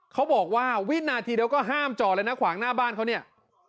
เขาบอกว่าวินาทีเดียวก็ห้ามจอดเลยนะขวางหน้าบ้านเขาเนี่ย